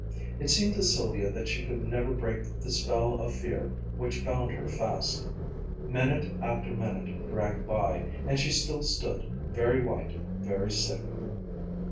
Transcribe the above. It seemed to Sylvia that she could never break the spell of fear which bound her fast. Minute after minute dragged by, and she still stood, very white, very sick.